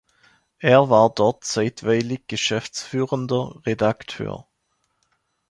Er war dort zeitweilig geschäftsführender Redakteur.